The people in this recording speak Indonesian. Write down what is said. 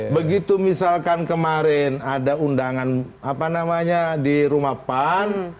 begitu misalkan kemarin ada undangan di rumapan